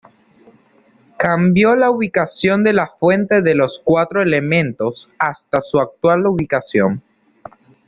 Cambió la ubicación de la fuente de los Cuatro Elementos hasta su actual ubicación.